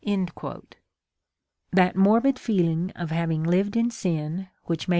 |That morbid feeling of having lived in sin, which made .